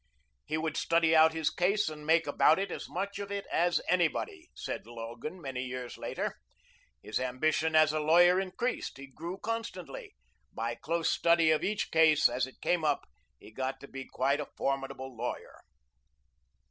"He would study out his case and make about as much of it as anybody," said Logan, many years afterwards. "His ambition as a lawyer increased; he grew constantly. By close study of each case, as it came up, he got to be quite a formidable lawyer."